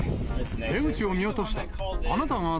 出口を見落とした？